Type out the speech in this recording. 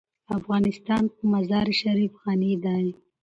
افغانستان په مزارشریف غني دی.